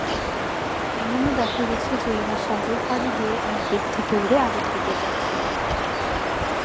এমনও দেখা গেছে যে এরা সাগর পাড়ি দিয়ে এক দ্বীপ থেকে উড়ে আরেক দ্বীপে যাচ্ছে।